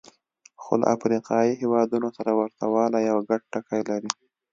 خو له افریقایي هېوادونو سره ورته والی او ګډ ټکي لري.